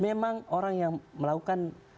memang orang yang melakukan pembakaran terhadap bendera itu